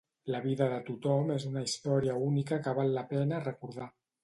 La vida de tothom és una història única que val la pena recordar.